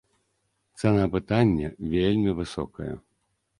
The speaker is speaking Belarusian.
Цана пытання вельмі высокая.